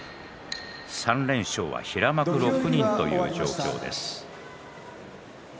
３連勝は平幕６人という状況です。